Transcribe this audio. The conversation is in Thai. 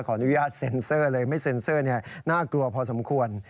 อนุญาตเซ็นเซอร์เลยไม่เซ็นเซอร์น่ากลัวพอสมควร